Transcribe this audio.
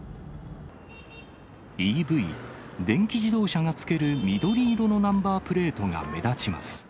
ＥＶ・電気自動車がつける緑色のナンバープレートが目立ちます。